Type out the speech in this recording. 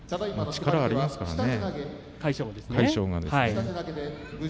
魁勝も力がありますからね。